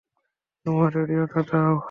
তোমার রেডিওটা দাও।